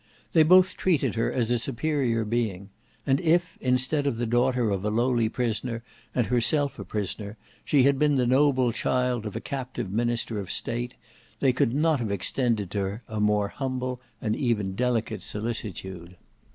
They both treated her as a superior being; and if, instead of the daughter of a lowly prisoner and herself a prisoner, she had been the noble child of a captive minister of state, they could not have extended to her a more humble and even delicate solicitude.